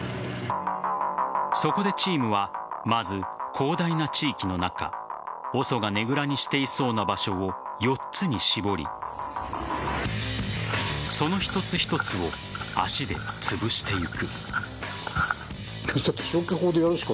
そこでチームは、まず広大な地域の中ＯＳＯがねぐらにしていそうな場所を４つに絞りその一つ一つを足でつぶしていく。